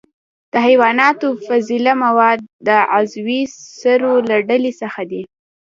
د حیواناتو فضله مواد د عضوي سرو له ډلې څخه دي.